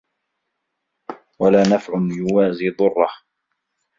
وَلَا نَفْعٌ يُوَازِي ضُرَّهُ